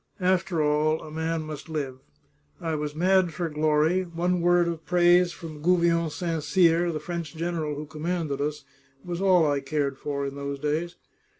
After all, a man must live. I was mad for glory ; one word of praise from Gouvion St. Cyr, the French general who commanded us, was all I cared for in those days.